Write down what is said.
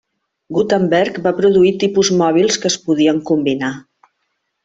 Gutenberg va produir tipus mòbils que es podien combinar.